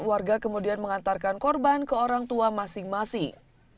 warga kemudian mengantarkan korban ke orang tua masing masing